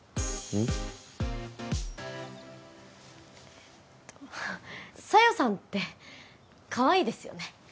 えっと小夜さんってかわいいですよね